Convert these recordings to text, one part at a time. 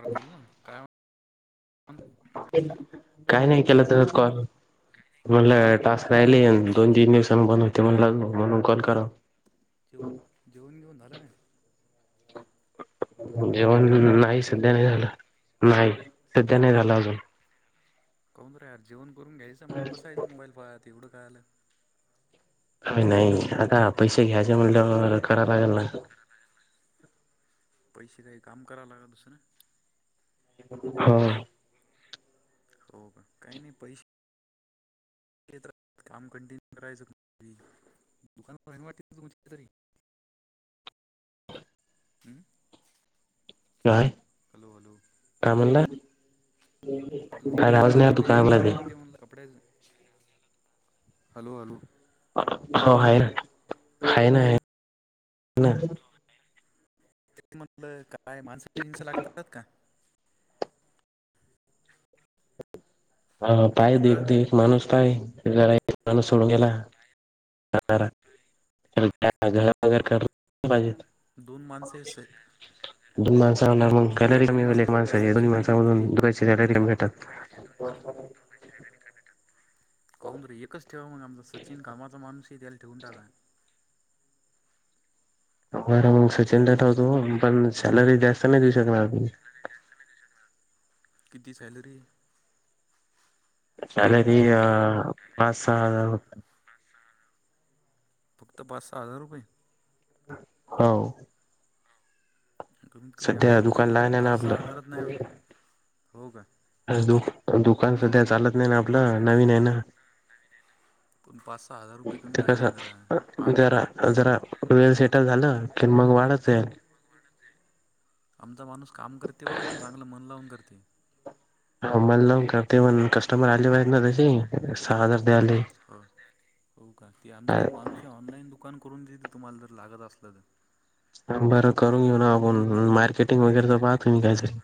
अर बोल ना काय म्हण काही नाही केला तसत कॉल म्हणला टास्क राहिले दोन जे- तीन दिवसांनी बंद होते म्हण म्हणून कॉल करा जे जेवून घेऊन झालं काय जेवण हम्म नाही सध्या नाही झालं नाही सध्या नाही झालं अजून कहून तर रे या जेवणून घयं मग बसायचं मोबाईल फळत एवढं काय आलं अ नाही आता पैसे घ्यायचे म्हणलं करा लागेल ना पैसे काही काम करा लाग का दुसरं हा हो का काही नाही पैसे क्षेत्रात काम कंटिन्यू करायचं दुकान वाटतील तुमतरी हां. हम्म. काय? Hello hello. का म्हला. आप त दुकान आला तू त एक काय म्हणला ते दुकान वाटते म्हणलं कपडेच हॅलो हॅलो. हो आहेा ना हाय ना आहे. ना ते म्हटलं काय माणस हिंस लागतातात का? ह पाय देख ह देख माणूस पाय माणूस सोडून गेला. घगर करजेत दोन माणसे स दोन माणसा मग हो कॅलरी कमी दोन होईल माणसं एक आहेत बाई माणस आहे दोन सचिन एक ते माणसा भेात दमशरा आणि कर्नाटक काहन रे एकच ठेवा मग आमचा सचिन कामाचा माणूसही त्याला ठेवून टावाय. बर मग सचिन ट ठवतो पण सॅलरी जास्त नाही देऊ शकणार तुम्ही- किती सॅलरी. सॅलरी अ पाच सहा रुपय हच्छा. फक्त पाच सहा हजार रुपये. हो. कमीत कमी सध्या अटक दुकान तरी करा लहान आहे ना पाच सहा आपलं हजारात नाही होत हो का. दु दुकान सध्या चालत नाही ना आपलं नवीन आहे ना. पण पाच सहा हजार रुपये कमी ते कस राहिले ना जरा आठ जरा हम्म जरा टेल सेटल झालं की मग वाढत. जाईल आमचा माणूस काम करते वर पण चांगलं मन लावून करते. हमलला करते म कस्टमर आले बा ना त्यासे सहा हजार आले. हो हो का तेी आमचा एक माणूस आहे ऑनलाईन दुकान करून देते तुम्हाला जर लागत असलं तर बरं करून घेऊ ना आपण मार्केटिंग वगैरेच पाहतो काहीतरी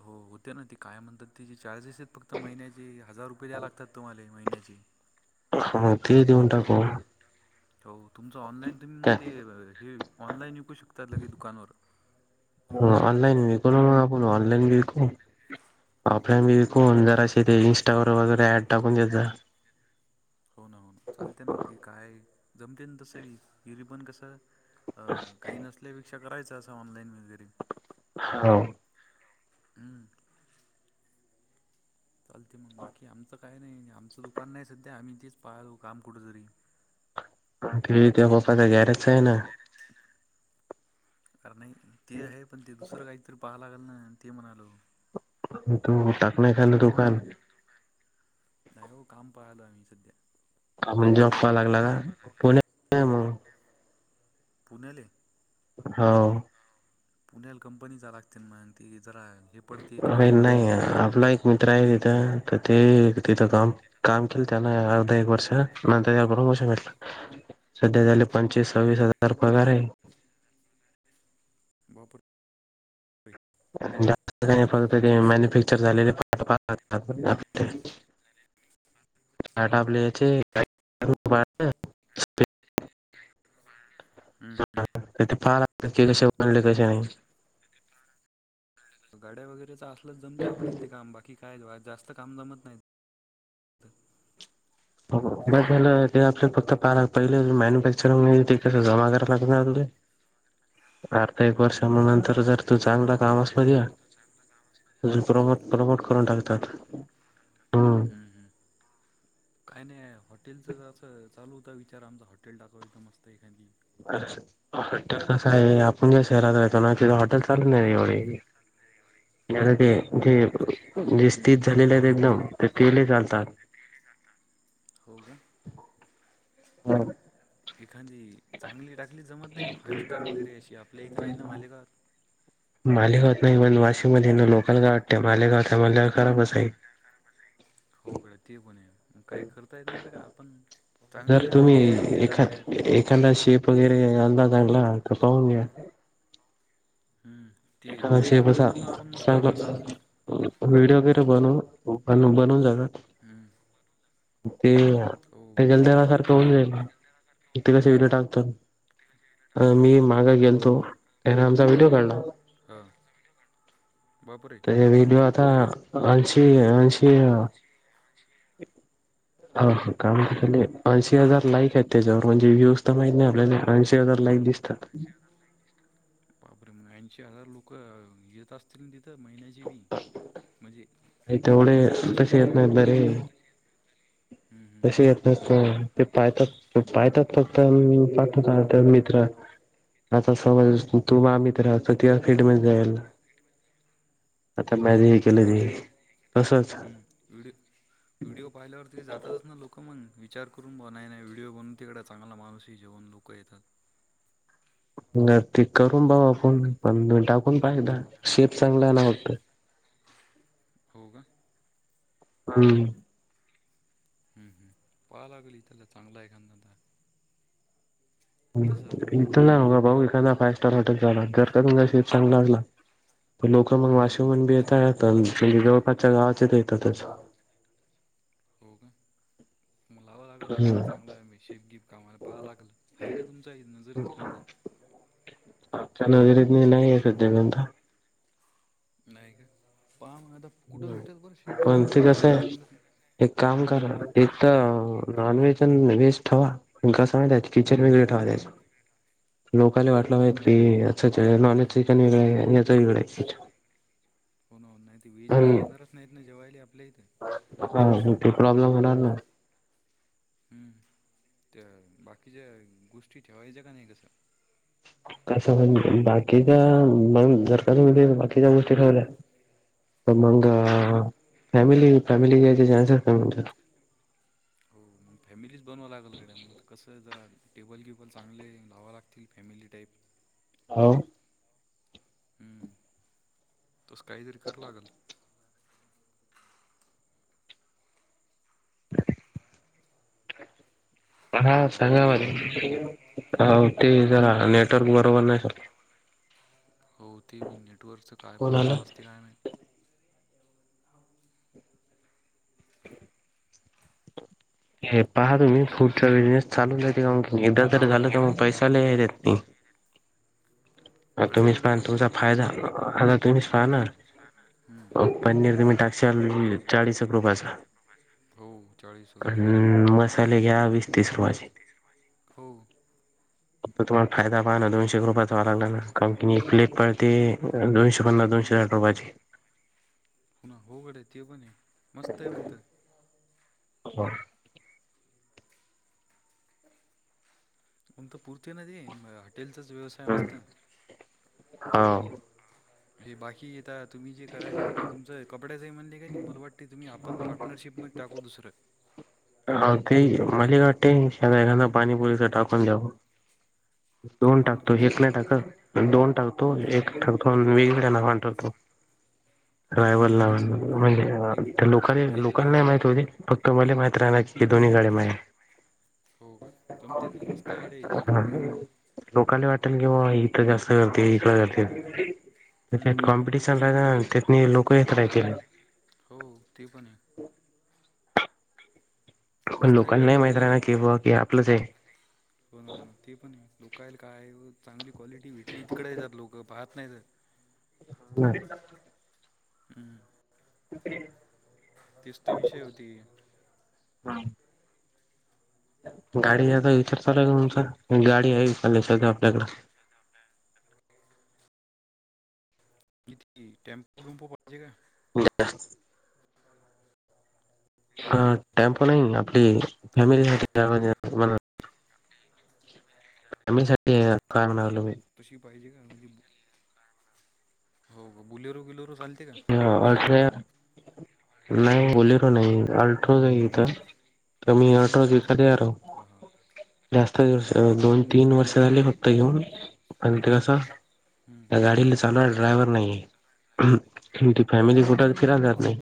हो होते ना तेी काय म्हणतात तिचेे चार्जेस आहेत फक्त महिन्याचे हजार रुपये द्या लागतात तुम्हाला होनची हा ते देऊन टाक. हो तुमचं ऑनलाईन तुम्ही मग ते काय हे ऑनलाईन वऐिकू शकताात ल की दुकानवर ह ऑनलाईन विकू ना मग आपण ऑनलाईन बी विकू हो. ऑफलाईन बी व फोन जरा अस ते इं्स्टा ववर वगैरे ऍड टाकून देत. हो ना हो ना चालते ना ती काय जमते ना तसंवी हिरी पण कसं? अ काही नसल्यापेक्षा करायचं असं ऑनलाईन वगैरे हो. हम्. चालते मग बाकी आमचं काय नाही आमचं दुकान नाही सध्या आम्ही तेच पाहालो काम कुठं जरी ते ते होपाच गॅरच आहे ना. कारण नाही ते आहे पण ते दुसरं काहीतरी पहां लागल ना ते म्हणालो. तु टाक नाही ख दोकान नाही हो काम पाहिलो आम्ही सध्या म्हण जॉप दुकान क लागला का पुणे मग पुण्याले हो. पुण्याला कंपनी जा लागते मग ते जरा हे पडते अरे खाणं पिणं नाही वगैरे आपला एक मित्र आहे तिथं तर ते तिथं काम काम केलं त्याना अर्ध एक वर्ष नंतर बष सध्या झाले पंचवीस सव्वीस हजार पगार आहे बापर... फक्त पंचवीस मॅनुफॅक्चर ् झालेले पाट पाहतातटा आपले याचे हो का हम् पा कसे बनले कसे नाही गाड्या वगैरेच असलच जमते आपल्याला त का आंबा कि काय जास्त काम जमत नाही तिथं. बर झालं ते आपले फत पा पहिले मॅन्युफॅक्चरिंग ते कसं जमा कराला लाग अर्ध एक हम्म, वर्ष हम्म. नंतर जर तू चांगलं काम असल द तझ प्र हो का प्रमोट करून टाकतात हम्म काही नाही हॉटेलचं चालू होता विचार आमचा हॉे टाकावू इदा मस्त एखादी हॉटेल कसं आहे आपण ज्या शहरात राहतो ना ति हॉटेल चालवढ हम्म, हम्म. ते झालेले आहेत एकदम ते तेल चालतात केले जातात हो का हा एखादी चांगली टाकली जमत नाही का फाइव्ह स्टार वगैरे अशी आपल्या इथं नाही ना मालिकात मालेगावात नाही पण वाशम मध्ये लोकल गाव वाटतें मालेगावात आहे मल्या खराबच आहे हो गं ते पण आहे मग काही करता येत ना तर का आपण चांगली जर केली ऍड तुम्ही गेट एखाद टाकल्या एखादा शेप वगैरे पाहून घेऊया! हम् ते एखादा व्हिडीओ शेप बीडिओ असा बनवून आपण मस्त मग चांगला चालेल ना. व्हिडिओ वगैरे बवून बनवून झाल्यावर हम्म, ते हो त्याच्याला त्याना सारखं होऊन जाईल ते कस व्हिडिओ टाकतात. आम्ही माग हो ना गेलतो हो ना त्याने आमचा व्हिडिओ काढला. हा बापर! ते व्हिडिओ आता ऐंशी ऐंशी हा ह काम ते झाले? ऐंशी हजार लाईक आहेत त्याच्यावर म्हणजे व्ह्यूज तर माहत नाही आपल्याला ऐंशी हजार लाईक दिसतात. बापरे मग ऐंशी हजार लोक येत अस तील तिथ महिन्याची बी म्हणजे तेवढे येतच असतील तसे नाय येत नाहीत काय? बरे तसे येत नाय ते पाहतात. पाहतात फक्त आणि पाठवतात मित्रा आता समज तु माझा मित्र राहतो तर तुझ्या फीडमध्ये मध्ये जायला. आता हो म ना हो ना हे पण केलं ते तरी असंच. हम्म व्हिडिओ व्हिडिओ पाहिल्यावर तरी जातच ना लोक मग विचार करून बाबा नाही व्हिडिओ बनून तिकड चांगला माणूस आहे जेव लोक क येतात. म ते करून पाहू आपण पण टाकून पाहू एकदा हम्म शेत चांगला ना होतं? हो का! हम्म! हम्म पाह लागेल इथला चांगल एखादा. तसं इथं ना भाऊ एखादा फायव स्टार हॉटेल झाला जर का तुमचा शेेत चांगला असला लोकं मग हम्म हम्म वाशमन बी येतात आता जे जवळपासच्या गावाात येतातच. हो का? मुला बळच हम्म लिखाण चांगला आहे मी शेफगिफ कामायला पाहाव लागल आहे का तुमचा नजरत एखादा? आमच्या नजरेत नाही ना सध्या! नाही का, पहा मग आता कुठे भेटेल बरं शेप पण आता ते पहायचा म्हणलं की? हित नॉनव्हेज आणि व्हेज ठेवा. आणि कसं माहित आहे का किचन हम्म. वेगळं ठेवा. लोकाला हो ना वाटला हो ना पाहिजे नाहीत की अस हां नॉनव्हेज किचन वेगळ आणि याचा वेगळा आहे. होणा नाही ते व्हेज आणि वाले येणारच नाहीत ना जेवायला आपल्याहीत. हा म ते प्रॉब्लेम होणार ना! हम्म त्या बाकीच्या गोष्टी ठेवायचं का नाही कसं? आस म्हण बाकीच्या सरकारी च्या गोष्टी ठेवल्या हम्म. मग फॅमिली फॅमिलीयचे चान्सेस कमी आहेत. हो मग फॅमिलीच बनवांय लागल गाड्या मग कसं जरा टेबल टेबल चांगले लावंव लागतील फॅमिली टाईप. हो! हम्म तस काहीतरी कर लागल. हा हॅलो आवाज सांगा नाही आला मला अहो ते काय म्हणले जरा नेटवर्क बरोबर नाही. [inaudible] हो ते पण नेटवर्कच काय कोण आलं? प्रॉब्लेम असते काय माहित. हे पहा तुम्ही फ्रुट चा बिजनेस चालू झाला एकदा जरी झालं तर मग पैसालय आहे त्यात पण. तुम्हीच कशामध्ये पाहा पैसा तुमचा आहे फायदा आता तुम्हीच पाहा ना हम्म. पनीर तुम्ही टॅक्स चाळीस एक रुपयाचा हो चाळीस हजार हम्म मसाले घ्या वीस तीस रुपयाचे. हो! फ तुम्हाला फायदा पाहा ना दोनशे रुपयाचावा लाला ना कंपनी एक प्लेट पडते दोनशे पन्नास दोनशे हजार रुपयाची पु ना होघड आहे ते पण मस्त आहे म्हणत हो पम तर पुूरती ना ते हॉटेलचाच व्यवसाय मस्त ना हाव हे बाकी येता तुम्ही जे करायल का तुमचं कपड्यांही म्हणले काय नाही मला वाटतते तुम्ही आपण पार्टनरशिपमध्ये टाकू दुसरं ह ते मालिकाट टे एखादा पाणीपुरीस टाकून जाऊ ते कोोन टाकतो हे पाणीपुरीचा नाही टाक दोन टाकतो हम्म. एक ठाकतो वेगळ्या नावान ठेरतो हो ना रायवल जमते ला नाही म्हणजे लोक एक एक लोकल नाही माहती होते फग तुमला माहित राहा ना की हे दोन्ही गा्या मा आहे हो का जमते ना मस्त आयडिया आहे ती [inaudible] लोकांनी वाटल की बाबा इथं जास्त करते इकडे करते हम्म, त्याच्यात हम्म. कॉम्पिटिशन पुरते ना राहि त्यात लोक येत राहतील हो ते पण आहे पण मस्त लोकांना आयडिया नाही ती माहित रा आहे ना की बा की आपलंच आहे हो ना हो ना ते पण लोक काय चांगली क्वालिटी भेटली तिकडे जात लोकं बाार नाहीज तिच त विषय होती हम् गाडीता विचार लाय का तमचा गाडी आहे विचार आपल्याकडे ह इती टेम्पो वेम्पो पाहिजे का ब ह ह टॅम्पो नाही आपली हॅलो फॅमिली साठी जा आमी साठी का म्हणारल मी तशी पाहिजे का म्ह हो बुलेर गुलेर चाल ह अल्ट्रा नाही बली र नाही अल्ट्रा हम्म, हम्म. जाथ कमी आठ ज का दर हां हां जास्त दोन तीन वर्ष झाले फक्त येऊन आणि ते कस हम्म, गाडीला चालू ड्रायव्हर नाही ती हो फॅमिली का कुठंच फिराणार नाही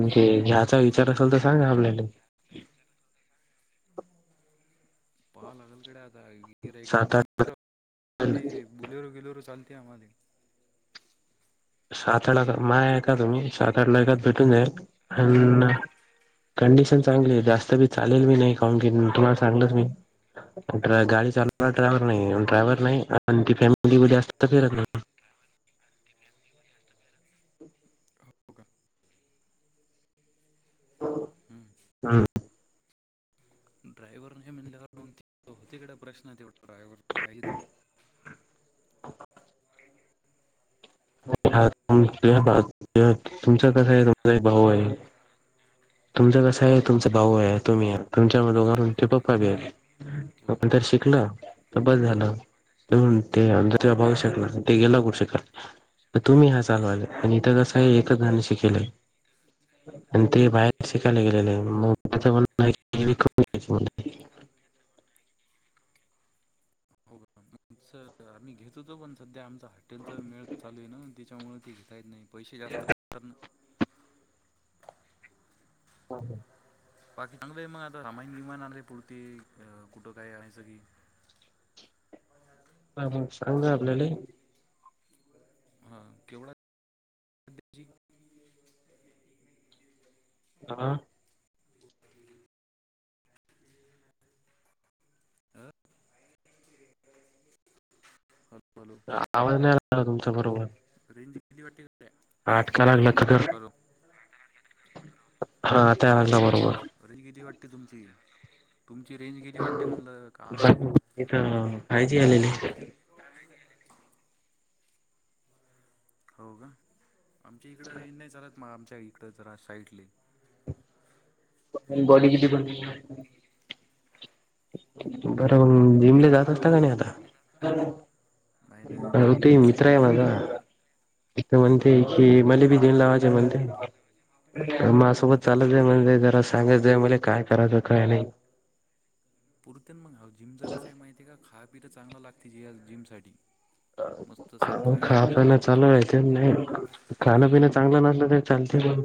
हम्म, हम्म. हो ह्याचा ते पण विचार गोष्ट असेल आहे तर मग सांगा आता आपल्याला पाहा लागालकडे आता गिर एक सात आमचा आठ मित्रण ते बुलेर गिलेर चालते आम्हाला सातड मा आहेऐ का तुम्ही साताडला एका भेटून जा आणि कंडिशन चांगली आहे जास्त बी चालेल मी नाही का की तुम्हाला सांगलंच मी गाडी चालवणारला ड्रायव्हर नाही ड्रायव्हर नाही आणि ती फॅमिली जात फिरत हा [inaudible] हो का हम्म. हा ड्रायव्हर नाही म्हण तिकड प्रश्न तेवढा ड्रायव्ह काही [inaudible] तुमचं हॅलो कसं आहे तुमचा एक भाऊ आहे तुमचं कस आहे तुमचा भाऊ आहे हो तुम्ही तुमच्या मघ तमचे पप्पा बी आहेत हो ना आपण तर शिकल तर बस हो हो झालं ह ते ब शकल ना तेेला हो ना. कड शकल तर तुम्ही हा सांगवाल आणि इथं कसं आहे एकच गाणं शिकेलंय आणि ते बाहेर शिकायला गेलेले हम्म, हम्म. मगण कमी तर आम्ही घेत होतो पण सध्या आमचा हॉटेलचा मेळ चालू आहे ना त्याच्यामुळेळ ते घेयच नाही पैसे जास्त अस हा हां बाकी चांगलं मग आता रामायण विमान आले आहे पुरती अ कुठं काय आहेयचं की प हात ह सांग आपल्याला हा केवढा द्यायची हा अं? अ आवाज नाही आला तुमच्या बरोबर रेंज किती वाटी अटका लागला का तर हा त्या लागला बरोबर रे गेली वाटते तुमची तुमची रेंज गेली वाटते म्हणलं काय इ तर फय जी आले का हो का आमच्या इकडं येन नाही चालात मग आमच्या इकडं जरा साईटली बॉडी किती पडते बरं मग हे जिमले कोण जात ना असता लोक का नाही आता नाही ना अ ते जिमला कसं मित्र आहे माहिती का माझा जरा म्हणते हां हां की मला बी देन लावाज आहे म्हणते मा सोबत हो चालत का म्हण जरा सांगायच जाय मला काय करायचं काय नाही पुरतन मग जिमच कसं माहितीय का खा पिय चांगलं लागते जिम साठी मस्त खा सण खायचं खाणं चालू नाही खाण पिन चांगलं नसलं तररी चालते पण